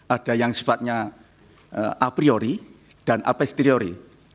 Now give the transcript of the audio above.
ada yang sifatnya a priori dan apesteori